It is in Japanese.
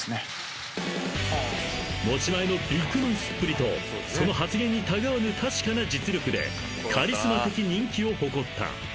［持ち前のビッグマウスっぷりとその発言にたがわぬ確かな実力でカリスマ的人気を誇った］